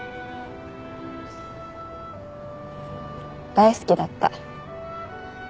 大好きだった。